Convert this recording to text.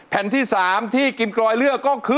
แผ่นที่๓ที่กิมกรอยเลือกก็คือ